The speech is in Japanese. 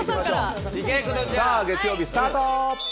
月曜日、スタート。